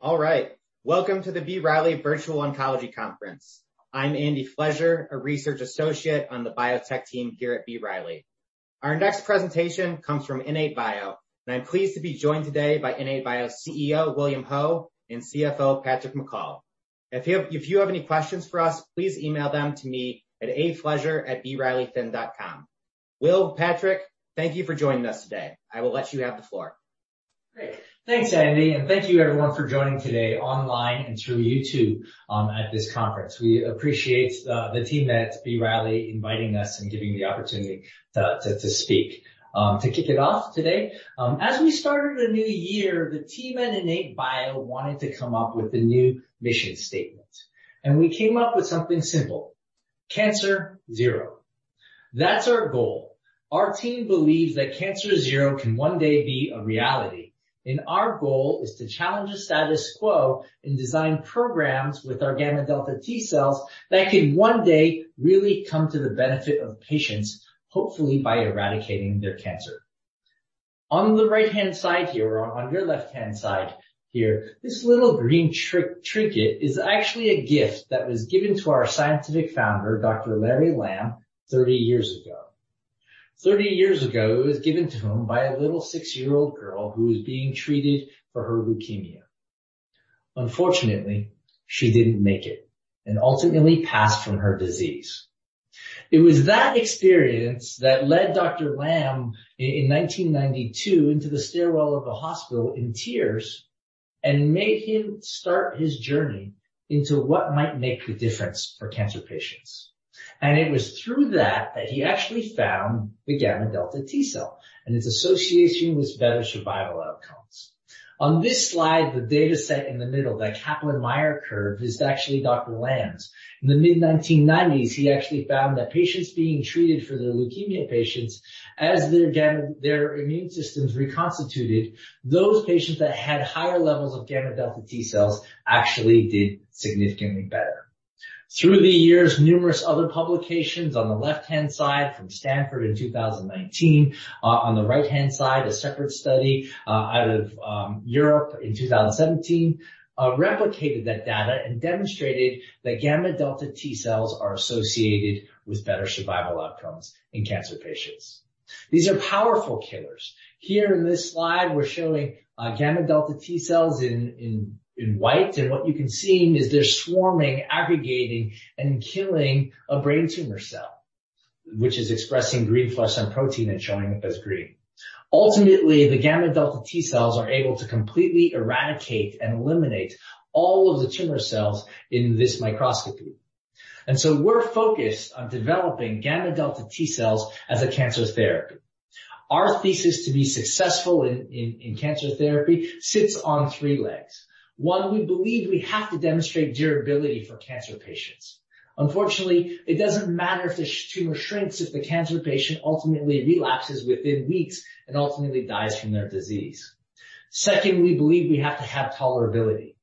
All right. Welcome to the B. Riley Virtual Oncology Conference. I'm Andy Fletcher, a Research Associate on the biotech team here at B. Riley. Our next presentation comes from IN8bio, and I'm pleased to be joined today by IN8bio CEO, William Ho, and CFO, Patrick McCall. If you have any questions for us, please email them to me at afletcher@brileyfin.com. Will, Patrick, thank you for joining us today. I will let you have the floor. Great. Thanks, Andy, and thank you everyone for joining today online and through YouTube, at this conference. We appreciate the team at B. Riley inviting us and giving the opportunity to speak. To kick it off today, as we started a new year, the team at IN8bio wanted to come up with a new mission statement, and we came up with something simple, Cancer Zero. That's our goal. Our team believes that Cancer Zero can one day be a reality, and our goal is to challenge the status quo and design programs with our gamma-delta T-cells that can one day really come to the benefit of patients, hopefully by eradicating their cancer. On the right-hand side here, or on your left-hand side here, this little green tri-trinket is actually a gift that was given to our scientific founder, Dr. Larry Lam, 30 years ago. 30 years ago, it was given to him by a little six year-old girl who was being treated for her leukemia. Unfortunately, she didn't make it and ultimately passed from her disease. It was that experience that led Dr. Lam in 1992 into the stairwell of a hospital in tears and made him start his journey into what might make the difference for cancer patients. It was through that he actually found the gamma-delta T cell and its association with better survival outcomes. On this slide, the data set in the middle, that Kaplan-Meier curve, is actually Dr. Lam's. In the mid-1990s, he actually found that patients being treated for their leukemia patients as their immune systems reconstituted, those patients that had higher levels of gamma-delta T cells actually did significantly better. Through the years, numerous other publications on the left-hand side from Stanford in 2019, on the right-hand side, a separate study out of Europe in 2017, replicated that data and demonstrated that gamma-delta T cells are associated with better survival outcomes in cancer patients. These are powerful killers. Here in this slide, we're showing gamma-delta T cells in white, and what you can see is they're swarming, aggregating, and killing a brain tumor cell, which is expressing green fluorescent protein and showing up as green. Ultimately, the gamma-delta T cells are able to completely eradicate and eliminate all of the tumor cells in this microscopy. We're focused on developing gamma-delta T cells as a cancer therapy. Our thesis to be successful in cancer therapy sits on three legs. 1. We believe we have to demonstrate durability for cancer patients. Unfortunately, it doesn't matter if the tumor shrinks, if the cancer patient ultimately relapses within weeks and ultimately dies from their disease. 2. We believe we have to have tolerability.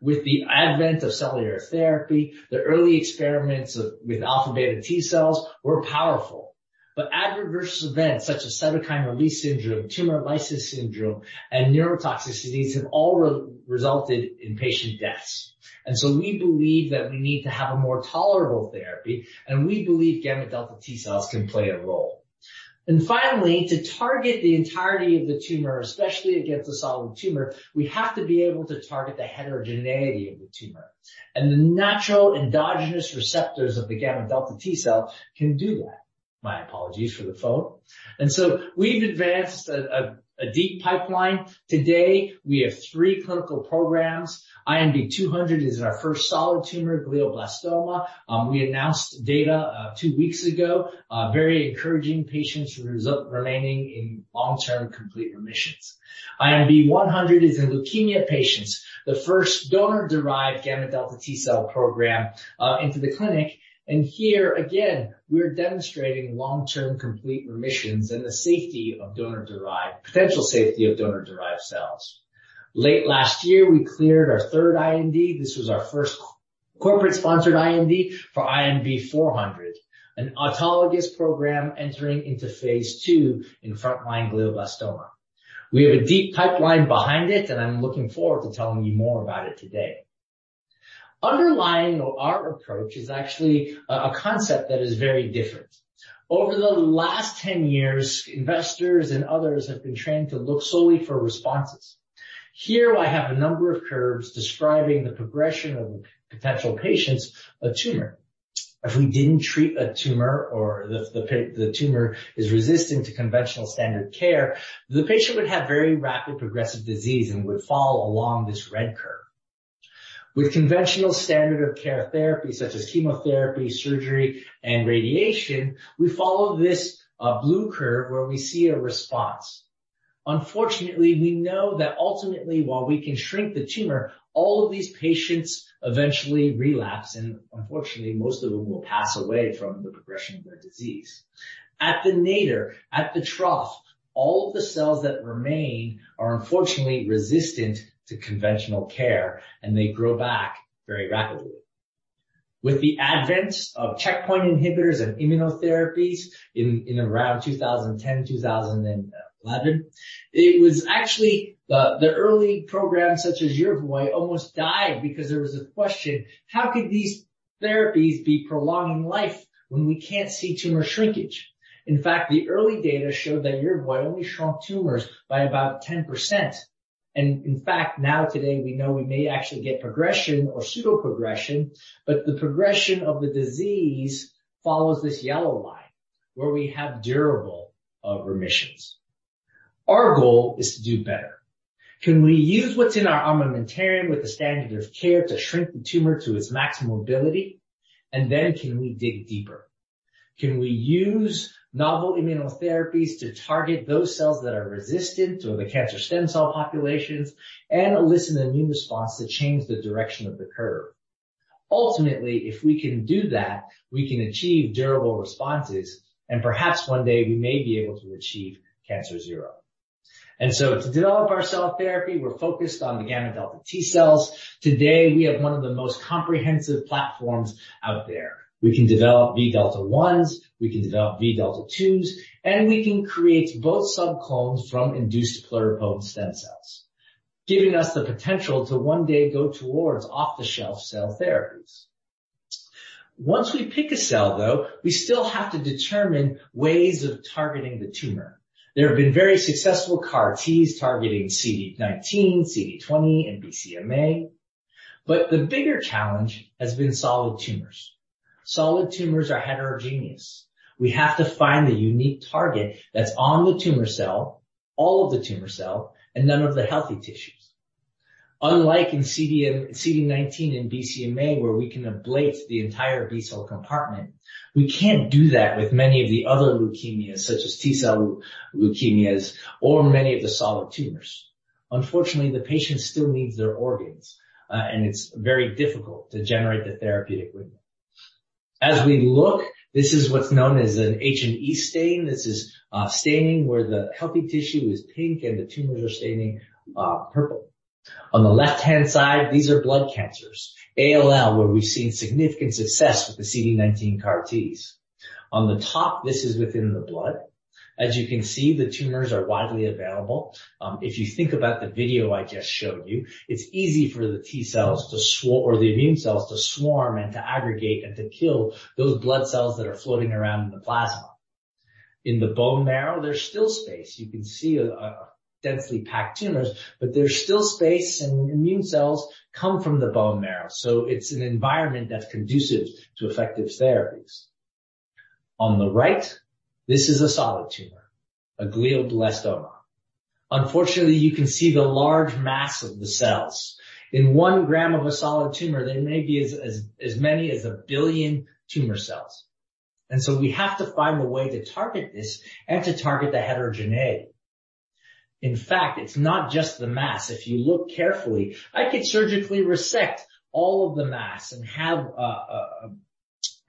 With the advent of cellular therapy, the early experiments with alpha-beta T-cells were powerful, but adverse events such as cytokine release syndrome, tumor lysis syndrome, and neurotoxicities have all resulted in patient deaths. We believe that we need to have a more tolerable therapy, and we believe gamma-delta T cells can play a role. Finally, to target the entirety of the tumor, especially against a solid tumor, we have to be able to target the heterogeneity of the tumor. The natural endogenous receptors of the gamma-delta T cell can do that. My apologies for the phone. We've advanced a deep pipeline. Today, we have three clinical programs. INB-200 is our first solid tumor glioblastoma. We announced data two weeks ago, very encouraging patients remaining in long-term complete remissions. INB-100 is in leukemia patients, the first donor-derived gamma-delta T cell program into the clinic, and here again, we're demonstrating long-term complete remissions and the potential safety of donor-derived cells. Late last year, we cleared our 3rd IND. This was our first corporate-sponsored IND for INB-400, an autologous program entering into phase II in frontline glioblastoma. We have a deep pipeline behind it. I'm looking forward to telling you more about it today. Underlying our approach is actually a concept that is very different. Over the last 10 years, investors and others have been trained to look solely for responses. Here I have a number of curves describing the progression of potential patients, a tumor. If we didn't treat a tumor or the tumor is resistant to conventional standard care, the patient would have very rapid progressive disease and would follow along this red curve. With conventional standard of care therapy, such as chemotherapy, surgery, and radiation, we follow this blue curve where we see a response. Unfortunately, we know that ultimately, while we can shrink the tumor, all of these patients eventually relapse, and unfortunately, most of them will pass away from the progression of their disease. At the nadir, at the trough, all of the cells that remain are unfortunately resistant to conventional care, and they grow back very rapidly. With the advent of checkpoint inhibitors and immunotherapies in around 2010, 2011, it was actually the early programs such as Yervoy almost died because there was a question, how could these therapies be prolonging life when we can't see tumor shrinkage? In fact, the early data showed that Yervoy only shrunk tumors by about 10%. In fact, now today we know we may actually get progression or pseudo progression, but the progression of the disease follows this yellow line where we have durable remissions. Our goal is to do better. Can we use what's in our armamentarium with the standard of care to shrink the tumor to its maximum ability? Then can we dig deeper? Can we use novel immunotherapies to target those cells that are resistant or the cancer stem cell populations, and elicit an immune response to change the direction of the curve? Ultimately, if we can do that, we can achieve durable responses, and perhaps one day we may be able to achieve Cancer Zero. To develop our cell therapy, we're focused on the gamma-delta T cells. Today, we have one of the most comprehensive platforms out there. We can develop Vδ1s, we can develop Vδ2s, and we can create both sub clones from induced pluripotent stem cells, giving us the potential to one day go towards off-the-shelf cell therapies. Once we pick a cell, though, we still have to determine ways of targeting the tumor. There have been very successful CAR-T targeting CD19, CD20, and BCMA, but the bigger challenge has been solid tumors. Solid tumors are heterogeneous. We have to find the unique target that's on the tumor cell, all of the tumor cell, and none of the healthy tissues. Unlike in CD19 and BCMA, where we can ablate the entire B-cell compartment, we can't do that with many of the other leukemias, such as T-cell leukemias or many of the solid tumors. Unfortunately, the patient still needs their organs, and it's very difficult to generate the therapeutic window. As we look, this is what's known as an H&E stain. This is staining where the healthy tissue is pink and the tumors are staining purple. On the left-hand side, these are blood cancers. ALL, where we've seen significant success with the CD19 CAR-T. On the top, this is within the blood. As you can see, the tumors are widely available. If you think about the video I just showed you, it's easy for the T cells to swarm or the immune cells to swarm and to aggregate and to kill those blood cells that are floating around in the plasma. In the bone marrow, there's still space. You can see, densely packed tumors, but there's still space, and immune cells come from the bone marrow, so it's an environment that's conducive to effective therapies. On the right, this is a solid tumor, a glioblastoma. Unfortunately, you can see the large mass of the cells. In 1 gm of a solid tumor, there may be as many as 1 billion tumor cells. We have to find a way to target this and to target the heterogeneity. In fact, it's not just the mass. If you look carefully, I could surgically resect all of the mass and have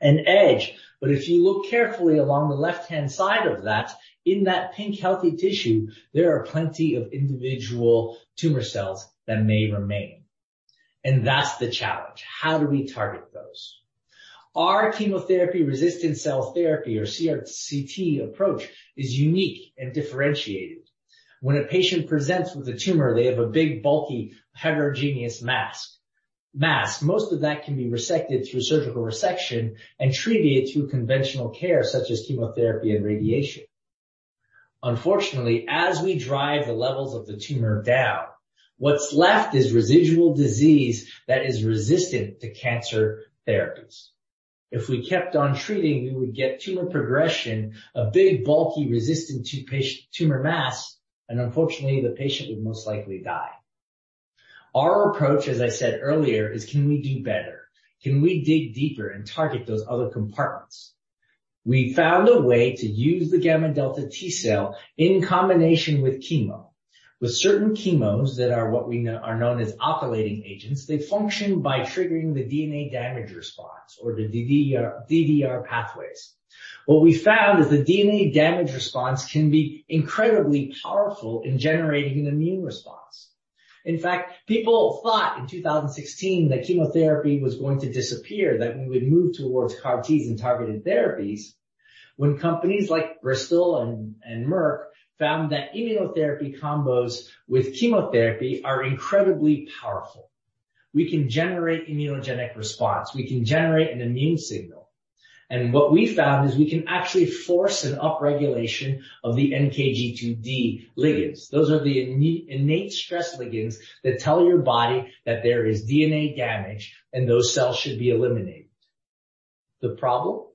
an edge. If you look carefully along the left-hand side of that, in that pink healthy tissue, there are plenty of individual tumor cells that may remain. That's the challenge. How do we target those? Our chemotherapy-resistant cell therapy or CRCT approach is unique and differentiated. When a patient presents with a tumor, they have a big, bulky, heterogeneous mass. Most of that can be resected through surgical resection and treated through conventional care such as chemotherapy and radiation. Unfortunately, as we drive the levels of the tumor down, what's left is residual disease that is resistant to cancer therapies. If we kept on treating, we would get tumor progression, a big, bulky, resistant to patient tumor mass. Unfortunately, the patient would most likely die. Our approach, as I said earlier, is can we do better? Can we dig deeper and target those other compartments? We found a way to use the gamma-delta T cell in combination with chemo. With certain chemos that are known as alkylating agents, they function by triggering the DNA damage response or the DDR pathways. What we found is the DNA damage response can be incredibly powerful in generating an immune response. In fact, people thought in 2016 that chemotherapy was going to disappear, that we would move towards CAR-Ts and targeted therapies when companies like Bristol and Merck found that immunotherapy combos with chemotherapy are incredibly powerful. We can generate immunogenic response. We can generate an immune signal. What we found is we can actually force an upregulation of the NKG2D ligands. Those are the innate stress ligands that tell your body that there is DNA damage, and those cells should be eliminated. The problem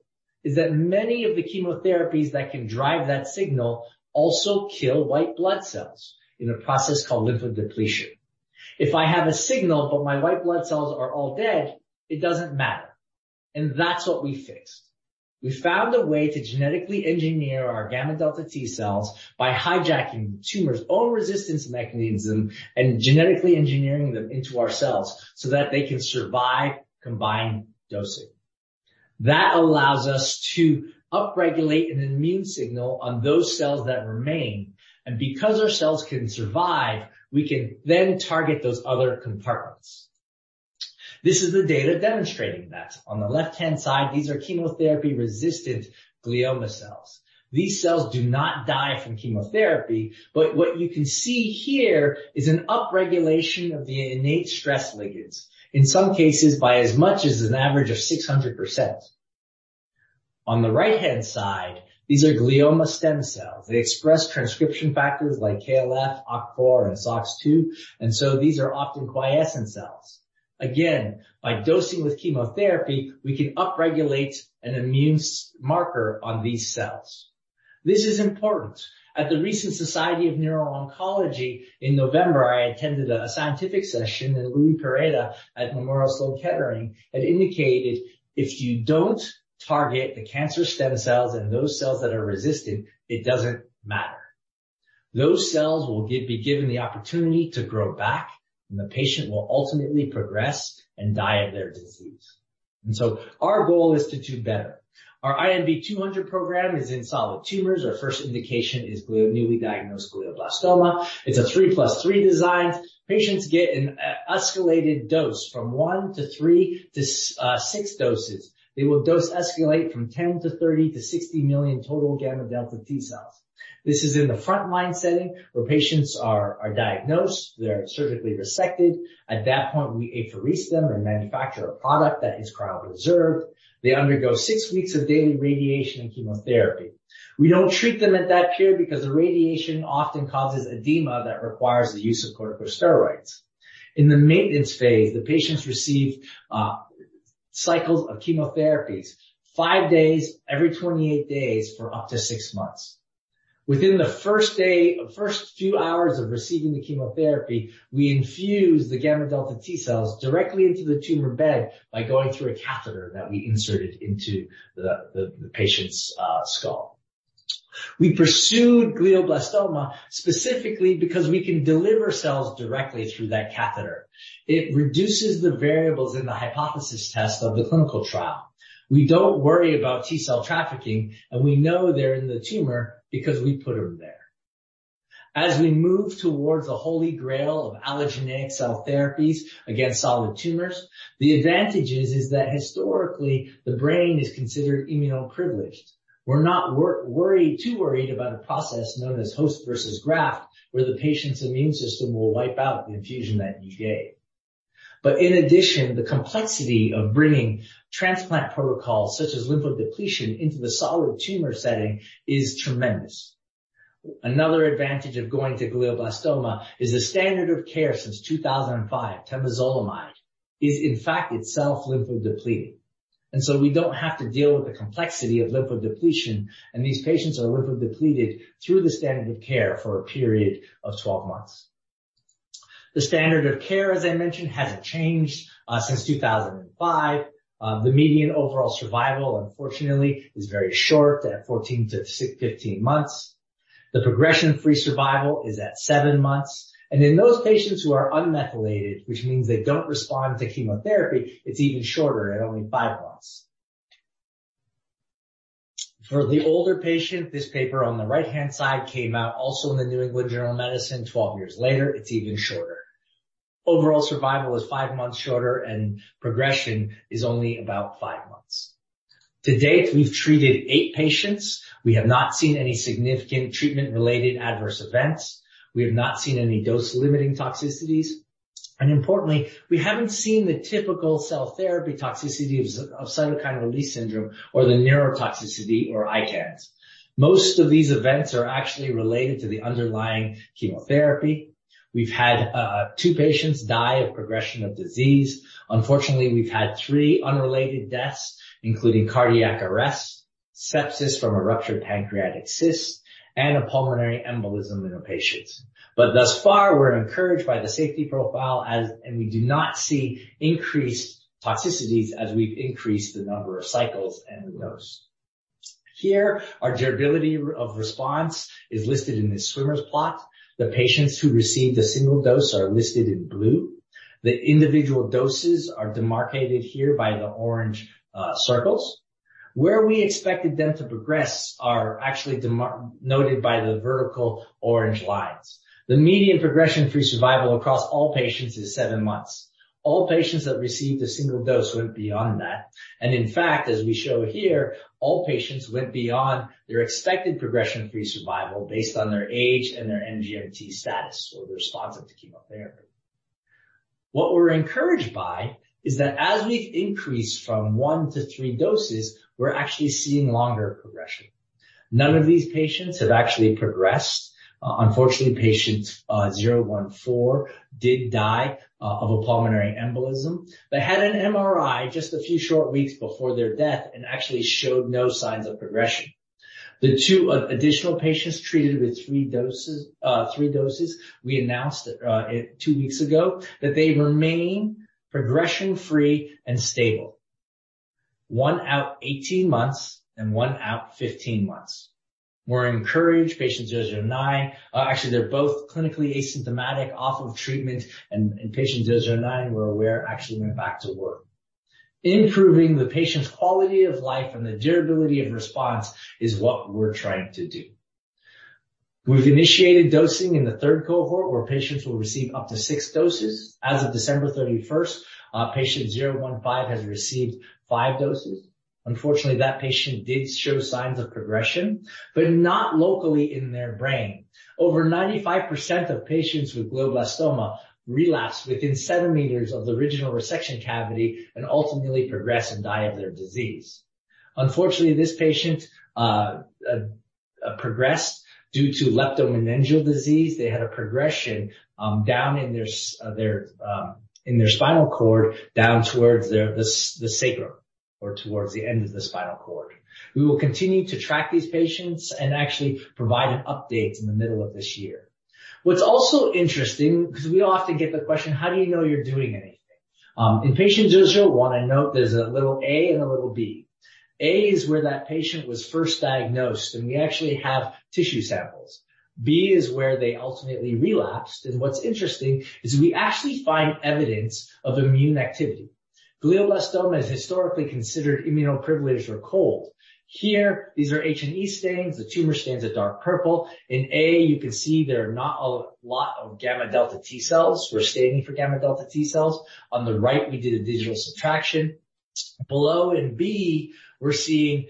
is that many of the chemotherapies that can drive that signal also kill white blood cells in a process called lymphodepletion. If I have a signal but my white blood cells are all dead, it doesn't matter. That's what we fixed. We found a way to genetically engineer our gamma-delta T cells by hijacking the tumor's own resistance mechanisms and genetically engineering them into our cells so that they can survive combined dosing. That allows us to upregulate an immune signal on those cells that remain. Because our cells can survive, we can then target those other compartments. This is the data demonstrating that. On the left-hand side, these are chemotherapy-resistant glioma cells. These cells do not die from chemotherapy. What you can see here is an upregulation of the innate stress ligands, in some cases by as much as an average of 600%. On the right-hand side, these are glioma stem cells. They express transcription factors like KLF, Oct-4, and Sox2. So these are often quiescent cells. Again, by dosing with chemotherapy, we can upregulate an immune s-marker on these cells. This is important. At the recent Society for Neuro-Oncology in November, I attended a scientific session. Luis Pereira at Memorial Sloan Kettering had indicated if you don't target the cancer stem cells and those cells that are resistant, it doesn't matter. Those cells will be given the opportunity to grow back, and the patient will ultimately progress and die of their disease. Our goal is to do better. Our INB-200 program is in solid tumors. Our first indication is newly diagnosed glioblastoma. It's a 3 + 3 design. Patients get an escalated dose from 1-3-6 doses. They will dose escalate from 10-30-60 million total gamma-delta T cells. This is in the front-line setting where patients are diagnosed, they're surgically resected. At that point, we apheresis them or manufacture a product that is cryopreserved. They undergo six weeks of daily radiation and chemotherapy. We don't treat them at that period because the radiation often causes edema that requires the use of corticosteroids. In the maintenance phase, the patients receive cycles of chemotherapies five days every 28 days for up to six months. Within the first few hours of receiving the chemotherapy, we infuse the gamma-delta T cells directly into the tumor bed by going through a catheter that we inserted into the patient's skull. We pursued glioblastoma specifically because we can deliver cells directly through that catheter. It reduces the variables in the hypothesis test of the clinical trial. We don't worry about T-cell trafficking, and we know they're in the tumor because we put them there. As we move towards the holy grail of allogeneic cell therapies against solid tumors, the advantage is that historically, the brain is considered immuno-privileged. We're not worried, too worried about a process known as host versus graft, where the patient's immune system will wipe out the infusion that you gave. In addition, the complexity of bringing transplant protocols such as lymphodepletion into the solid tumor setting is tremendous. Another advantage of going to glioblastoma is the standard of care since 2005, temozolomide, is, in fact, itself lymphodepleting. We don't have to deal with the complexity of lymphodepletion, and these patients are lymphodepleted through the standard of care for a period of 12 months. The standard of care, as I mentioned, hasn't changed since 2005. The median overall survival, unfortunately, is very short at 14-15 months. The progression-free survival is at seven months. In those patients who are unmethylated, which means they don't respond to chemotherapy, it's even shorter at only five months. For the older patient, this paper on the right-hand side came out also in The New England Journal of Medicine. 12 years later, it's even shorter. Overall survival is five months shorter, and progression is only about five months. To date, we've treated eight patients. We have not seen any significant treatment-related adverse events. We have not seen any dose-limiting toxicities. Importantly, we haven't seen the typical cell therapy toxicity of cytokine release syndrome or the neurotoxicity or ICANS. Most of these events are actually related to the underlying chemotherapy. We've had two patients die of progression of disease. Unfortunately, we've had three unrelated deaths, including cardiac arrest, sepsis from a ruptured pancreatic cyst, and a pulmonary embolism in a patient. Thus far, we're encouraged by the safety profile, and we do not see increased toxicities as we increase the number of cycles and the dose. Here, our durability of response is listed in this swimmer's plot. The patients who received a single dose are listed in blue. The individual doses are demarcated here by the orange circles. Where we expected them to progress are actually noted by the vertical orange lines. The median progression-free survival across all patients is seven months. All patients that received a single dose went beyond that. In fact, as we show here, all patients went beyond their expected progression-free survival based on their age and their MGMT status or the response of the chemotherapy. What we're encouraged by is that as we've increased from 1-3 doses, we're actually seeing longer progression. None of these patients have actually progressed. Unfortunately, patient 014 did die of a pulmonary embolism. They had an MRI just a few short weeks before their death and actually showed no signs of progression. The two additional patients treated with three doses, we announced it three weeks ago that they remain progression free and stable, one out 18 months and one out 15 months. We're encouraged. Patient 009. Actually, they're both clinically asymptomatic off of treatment, and patient 009 we're aware actually went back to work. Improving the patient's quality of life and the durability of response is what we're trying to do. We've initiated dosing in the third cohort where patients will receive up to 6 doses. As of December 31st, patient 015 has received 5 doses. Unfortunately, that patient did show signs of progression, but not locally in their brain. Over 95% of patients with glioblastoma relapse within centimeters of the original resection cavity and ultimately progress and die of their disease. Unfortunately, this patient progressed due to leptomeningeal disease. They had a progression down in their spinal cord, down towards their the sacrum or towards the end of the spinal cord. We will continue to track these patients and actually provide an update in the middle of this year. What's also interesting, because we often get the question: How do you know you're doing anything? In patient 001, I note there's a little A and a little B. A is where that patient was first diagnosed, and we actually have tissue samples. B is where they ultimately relapsed, and what's interesting is we actually find evidence of immune activity. Glioblastoma is historically considered immuno-privileged or cold. Here, these are H&E stains. The tumor stains a dark purple. In A, you can see there are not a lot of gamma delta T cells. We're staining for gamma delta T cells. On the right, we did a digital subtraction. Below in B, we're seeing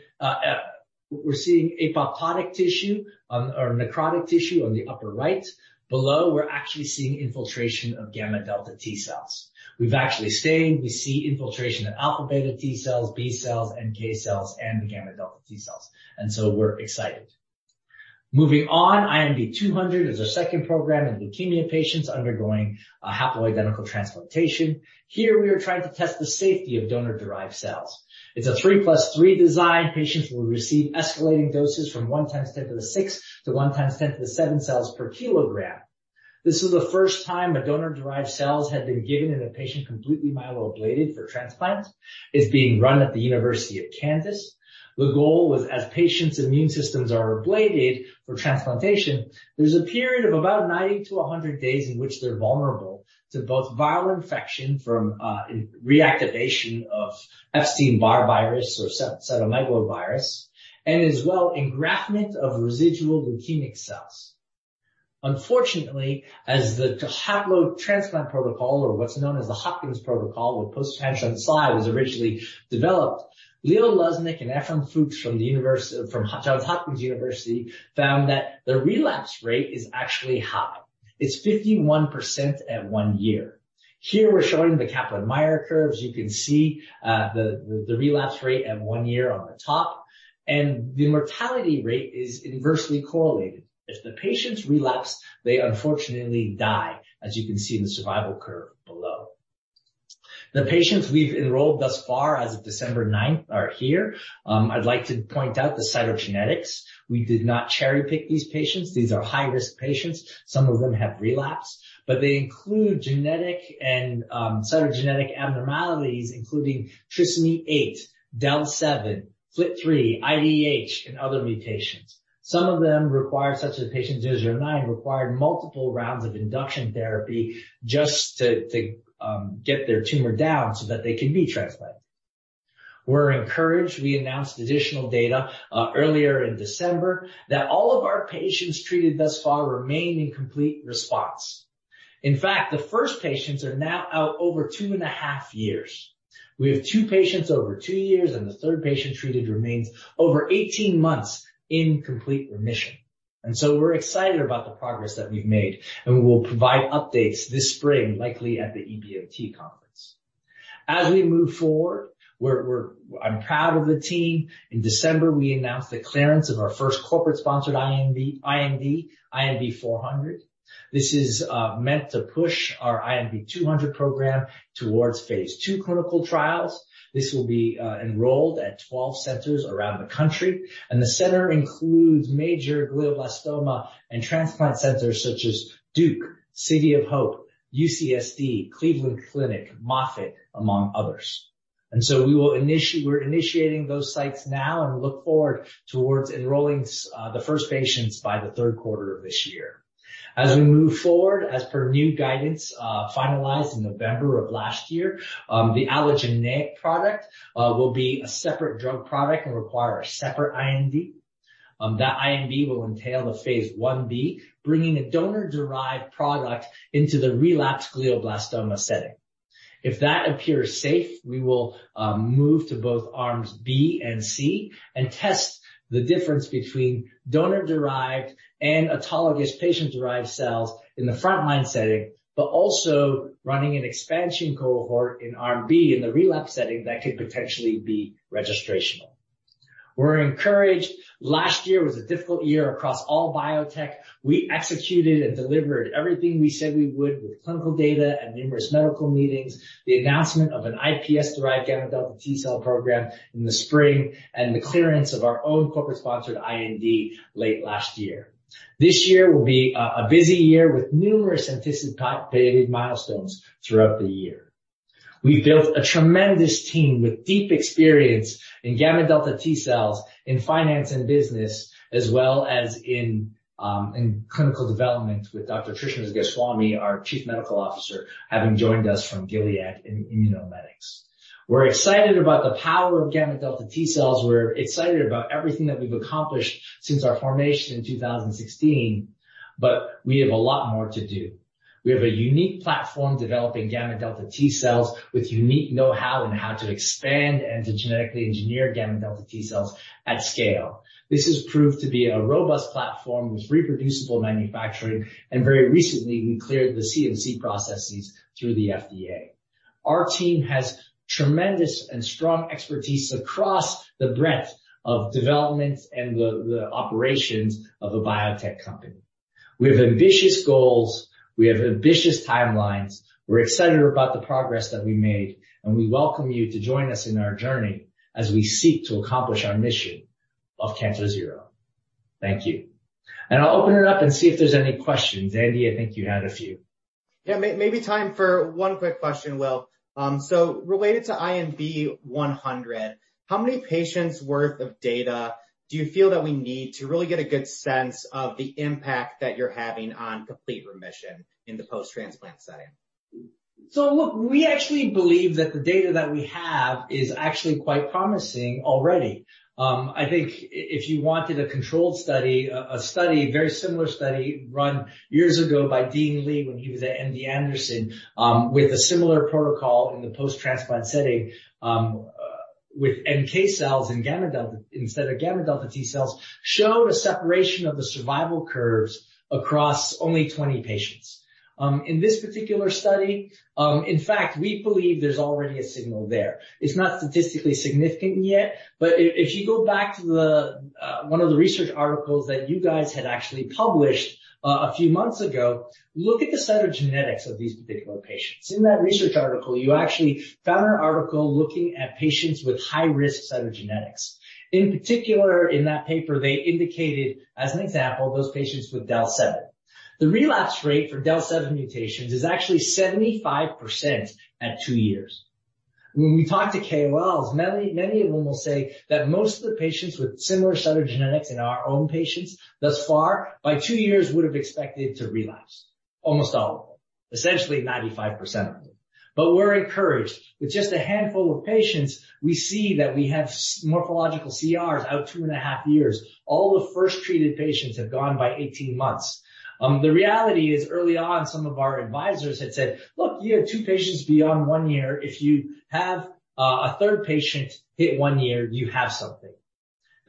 apoptotic tissue on... or necrotic tissue on the upper right. Below, we're actually seeing infiltration of gamma delta T cells. We've actually stained. We see infiltration of alpha beta T cells, B cells, NK cells, and the gamma delta T cells, and so we're excited. Moving on, INB-200 is our second program in leukemia patients undergoing a haploidentical transplantation. Here, we are trying to test the safety of donor-derived cells. It's a 3 + 3 design. Patients will receive escalating doses from 1 x 10^6 to 1 x 10^7 cells per kilogram. This is the first time a donor-derived cells have been given in a patient completely myeloablated for transplant. It's being run at the University of Kansas. The goal was, as patients' immune systems are ablated for transplantation, there's a period of about 90-100 days in which they're vulnerable to both viral infection from reactivation of Epstein-Barr virus or cytomegalovirus, and as well, engraftment of residual leukemic cells. Unfortunately, as the haplo transplant protocol or what's known as the Hopkins protocol with post-transplant SLA was originally developed, Leo Luznik and Ephraim Fuchs from Johns Hopkins University, found that the relapse rate is actually high. It's 51% at one year. Here, we're showing the Kaplan-Meier curves. You can see the relapse rate at one year on the top, and the mortality rate is inversely correlated. If the patients relapse, they unfortunately die, as you can see in the survival curve below. The patients we've enrolled thus far as of December 9th are here. I'd like to point out the cytogenetics. We did not cherry-pick these patients. These are high-risk patients. Some of them have relapsed, but they include genetic and cytogenetic abnormalities, including trisomy 8, DEL7, FLT3, IDH, and other mutations. Some of them require, such as patient 009, required multiple rounds of induction therapy just to get their tumor down so that they can be transplanted. We're encouraged. We announced additional data earlier in December that all of our patients treated thus far remain in complete response. In fact, the first patients are now out over two and a half years. We have two patients over two years, the third patient treated remains over 18 months in complete remission. We're excited about the progress that we've made, and we will provide updates this spring, likely at the EBMT conference. I'm proud of the team. In December, we announced the clearance of our first corporate-sponsored IND, INB-400. This is meant to push our INB-200 program towards phase II clinical trials. This will be enrolled at 12 centers around the country, and the center includes major glioblastoma and transplant centers such as Duke, City of Hope, UC San Diego Health, Cleveland Clinic, Moffitt, among others. We're initiating those sites now and look forward towards enrolling the first patients by the 3rd quarter of this year. As we move forward, as per new guidance, finalized in November of last year, the allogeneic product will be a separate drug product and require a separate IND. That IND will entail the phase 1B, bringing a donor-derived product into the relapsed glioblastoma setting. If that appears safe, we will move to both arms B and C and test the difference between donor-derived and autologous patient-derived cells in the front-line setting, but also running an expansion cohort in arm B in the relapse setting that could potentially be registrational. We're encouraged. Last year was a difficult year across all biotech. We executed and delivered everything we said we would with clinical data at numerous medical meetings, the announcement of an iPSC-derived gamma-delta T-cell program in the spring, and the clearance of our own corporate-sponsored IND late last year. This year will be a busy year with numerous anticipated milestones throughout the year. We've built a tremendous team with deep experience in gamma-delta T cells, in finance and business, as well as in clinical development with Dr. Trishna Goswami, our Chief Medical Officer, having joined us from Gilead in Immunomedics. We're excited about the power of gamma-delta T cells. We're excited about everything that we've accomplished since our formation in 2016. We have a lot more to do. We have a unique platform developing gamma-delta T cells with unique know-how in how to expand and to genetically engineer gamma-delta T cells at scale. This has proved to be a robust platform with reproducible manufacturing. Very recently, we cleared the CMC processes through the FDA. Our team has tremendous and strong expertise across the breadth of development and the operations of a biotech company. We have ambitious goals. We have ambitious timelines. We're excited about the progress that we made, and we welcome you to join us in our journey as we seek to accomplish our mission of Cancer Zero. Thank you. I'll open it up and see if there's any questions. Andy, I think you had a few. Yeah. May be time for one quick question, Will. Related to INB-100, how many patients worth of data do you feel that we need to really get a good sense of the impact that you're having on complete remission in the post-transplant setting? Look, we actually believe that the data that we have is actually quite promising already. I think if you wanted a controlled study, very similar study run years ago by Dean Lee when he was at MD Anderson, with a similar protocol in the post-transplant setting, with NK cells and gamma delta instead of gamma delta T cells, showed a separation of the survival curves across only 20 patients. In this particular study, in fact, we believe there's already a signal there. It's not statistically significant yet, but if you go back to the one of the research articles that you guys had actually published a few months ago, look at the cytogenetics of these particular patients. In that research article, you actually found an article looking at patients with high-risk cytogenetics. In particular, in that paper, they indicated, as an example, those patients with DEL7. The relapse rate for DEL7 mutations is actually 75% at two years. When we talk to KOLs, many of them will say that most of the patients with similar cytogenetics in our own patients thus far, by two years would have expected to relapse. Almost all of them. Essentially 95% of them. We're encouraged. With just a handful of patients, we see that we have morphological CRs out two and a half years. All the first-treated patients have gone by 18 months. The reality is, early on, some of our advisors had said, "Look, you have two patients beyond one year. If you have a third patient hit year, you have something."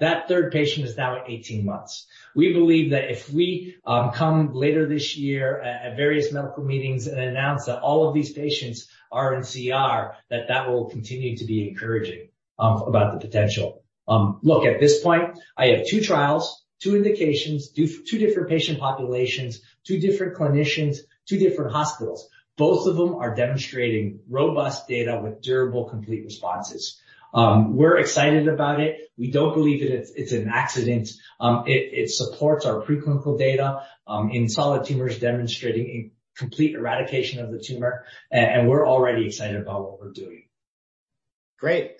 That third patient is now at 18 months. We believe that if we come later this year at various medical meetings and announce that all of these patients are in CR, that that will continue to be encouraging about the potential. Look, at this point, I have two trials, two indications, two different patient populations, two different clinicians, two different hospitals. Both of them are demonstrating robust data with durable, complete responses. We're excited about it. We don't believe that it's an accident. It supports our preclinical data in solid tumors demonstrating a complete eradication of the tumor. We're already excited about what we're doing. Great.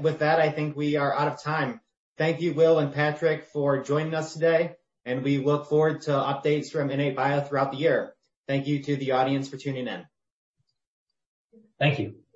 With that, I think we are out of time. Thank you, Will and Patrick, for joining us today, and we look forward to updates from IN8bio throughout the year. Thank you to the audience for tuning in. Thank you.